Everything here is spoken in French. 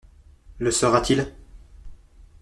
Le sera-t-il ?…